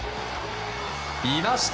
いました！